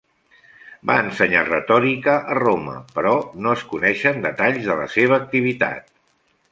Va ensenyar retòrica a Roma, però no es coneixen detalls de la seva activitat.